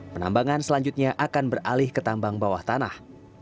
penambangan selanjutnya akan beralih ke tambang bawah tanah